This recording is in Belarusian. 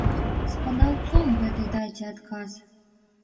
З падаўцом гэтай дайце адказ.